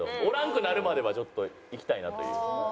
くなるまではちょっといきたいなという。